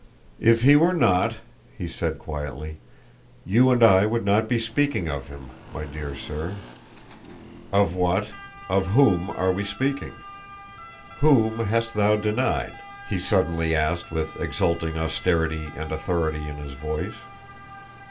"If He were not," he said quietly, "you and I would not be speaking of Him, my dear sir. Of what, of whom, are we speaking? Whom hast thou denied?" he suddenly asked with exulting austerity and authority in his voice.